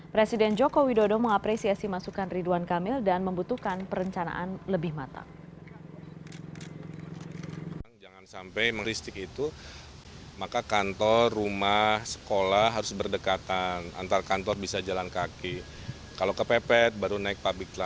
presiden joko widodo mengapresiasi masukan ridwan kamil dan membutuhkan perencanaan lebih matang